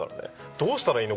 どうしたらいいの？